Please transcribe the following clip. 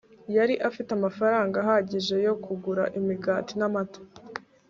yari afite amafaranga ahagije yo kugura imigati n'amata